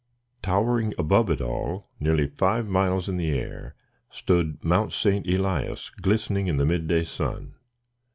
Towering above it all, nearly five miles in the air, stood Mt. St. Elias glistening in the mid day sun.